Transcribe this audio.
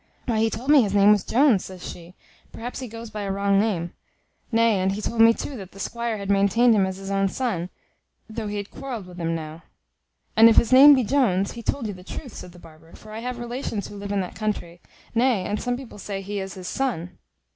"Why he told me his name was Jones," says she: "perhaps he goes by a wrong name. Nay, and he told me, too, that the squire had maintained him as his own son, thof he had quarrelled with him now." "And if his name be Jones, he told you the truth," said the barber; "for I have relations who live in that country; nay, and some people say he is his son."